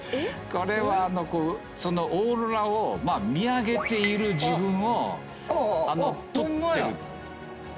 これはオーロラを見上げている自分を撮ってる。